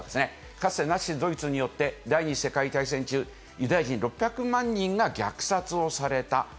かつて、ナチス・ドイツによって、第２次世界大戦中、ユダヤ人６００万人が虐殺をされた。